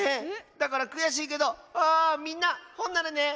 だからくやしいけどあみんなほんならねさいなら。